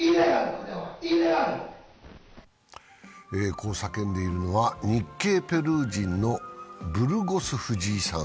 こう叫んでいるのは日系ペルー人のブルゴス・フジイさん。